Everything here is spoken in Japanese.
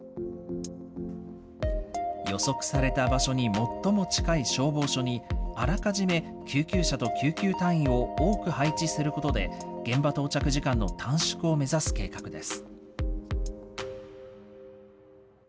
予測された場所に最も近い消防署にあらかじめ救急車と救急隊員を多く配置することで、現場到着時間の短縮を目指す計画です。